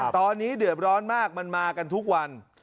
ตอนนี้เดือดร้อนมากมันมากันทุกวัน